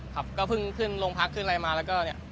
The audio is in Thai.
ครับก็เพิ่งขึ้นโรงพักขึ้นอะไรมาแล้วก็เนี่ย